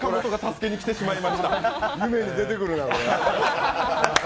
夢に出てくるな、これ。